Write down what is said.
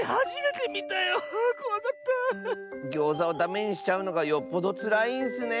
ギョーザをダメにしちゃうのがよっぽどつらいんッスね。